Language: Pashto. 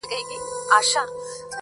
زما د ژوند هره شيبه او گړى_